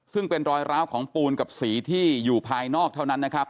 ซึ่งเป็นรอยร้าวของปูนกับสีที่อยู่ภายนอกเท่านั้นนะครับ